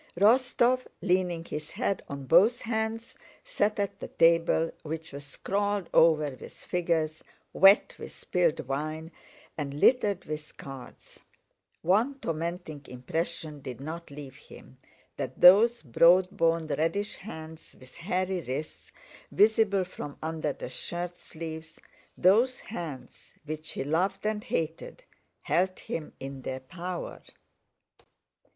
Rostóv, leaning his head on both hands, sat at the table which was scrawled over with figures, wet with spilled wine, and littered with cards. One tormenting impression did not leave him: that those broad boned reddish hands with hairy wrists visible from under the shirt sleeves, those hands which he loved and hated, held him in their power.